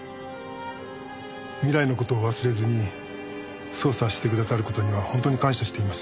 未来の事を忘れずに捜査してくださる事には本当に感謝しています。